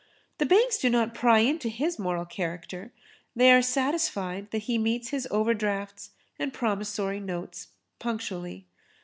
The banks do not pry into his moral character: they are satisfied that he meets his overdrafts and promissory notes punctually.